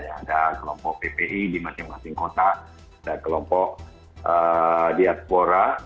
ada kelompok ppi di masing masing kota ada kelompok diaspora